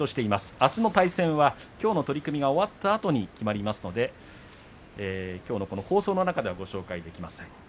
あすの対戦はきょうの取組が終わったあとに決まりますのできょうの放送の中ではご紹介できません。